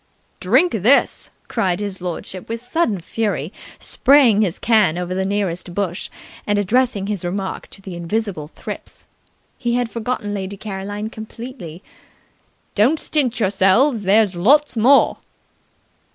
"Drink this!" cried his lordship with sudden fury, spraying his can over the nearest bush, and addressing his remark to the invisible thrips. He had forgotten Lady Caroline completely. "Don't stint yourselves! There's lots more!"